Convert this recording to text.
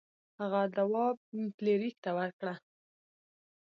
هغه دوا فلیریک ته ورکړه.